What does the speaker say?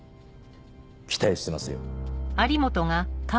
期待してますよ。